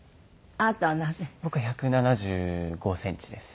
僕は１７５センチです。